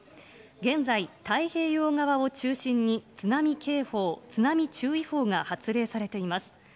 現在、太平洋側を中心に津波警報、津波注意報が発令されています。